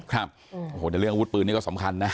ครับโอ้โหแต่เรื่องอาวุธปืนนี่ก็สำคัญนะ